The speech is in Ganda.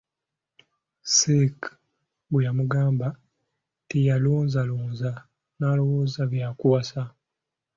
Sheikh bwe yamugamba, teyalonzalonza, n'alowooza bya kuwasa.